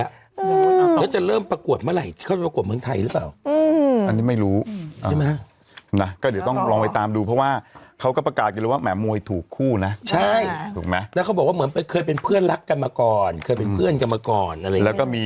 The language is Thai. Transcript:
แล้วจะเริ่มประกวดเมื่อไหร่เขาจะประกวดเมืองไทยหรือเปล่า